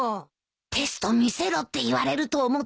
テスト見せろって言われると思った